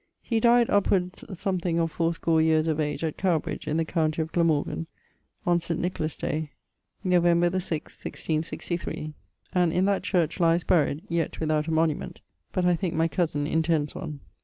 He dyed upwards (something) of fowrscore yeares of age at Cowbridge in the county of Glamorgan, on St. Nicholas day, November the sixth, 1663; and in that church lyes buried, yet without a monument, but I thinke my cosen intends one.